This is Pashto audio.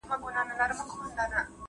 آیا تاریخ پوهان د انقلابونو علتونه لټوي؟